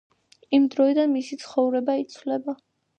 იმ დროიდან მისი ცხოვრება იცვლება.